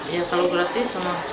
iya kalau gratis semua